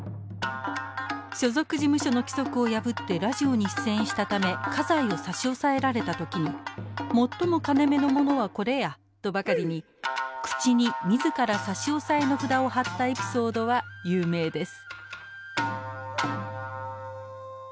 所属事務所の規則を破ってラジオに出演したため家財を差し押さえられた時に「最も金めのものはこれや」とばかりに口に自ら差し押さえの札を貼ったエピソードは有名です。